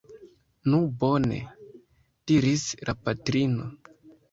Nu bone! diris la patrino.